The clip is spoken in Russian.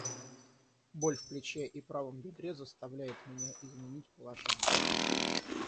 Боль в плече и правом бедре заставляет меня изменить положение.